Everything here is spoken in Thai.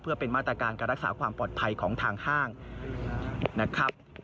เพื่อเป็นมาตรการการรักษาความปลอดภัยของทางห้างนะครับ